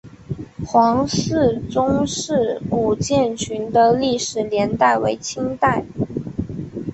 黄氏宗祠古建群的历史年代为清代。